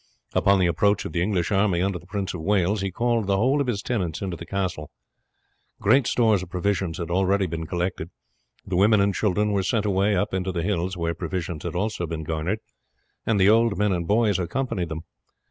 Upon the approach of the English army under the Prince of Wales he called the whole of his tenants into the castle. Great stores of provisions had already been collected. The women and children were sent away up into the hills, where provisions had also been garnered, and the old men and boys accompanied them.